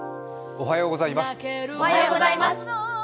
おはようございます。